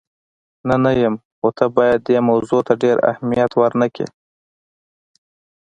نه، نه یم، خو ته باید دې موضوع ته ډېر اهمیت ور نه کړې.